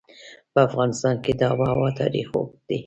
په افغانستان کې د آب وهوا تاریخ اوږد دی.